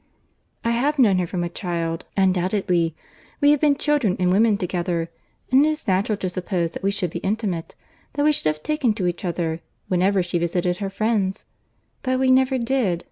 "I have known her from a child, undoubtedly; we have been children and women together; and it is natural to suppose that we should be intimate,—that we should have taken to each other whenever she visited her friends. But we never did.